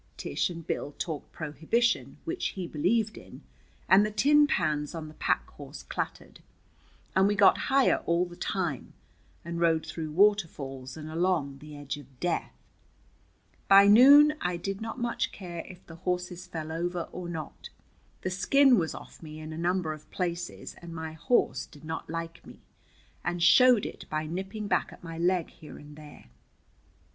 Tish and Bill talked prohibition, which he believed in, and the tin pans on the pack horse clattered, and we got higher all the time, and rode through waterfalls and along the edge of death. By noon I did not much care if the horses fell over or not. The skin was off me in a number of places, and my horse did not like me, and showed it by nipping back at my leg here and there.